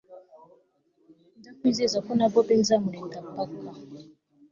ndaakwizeza ko na bobi nzamurinda mpaka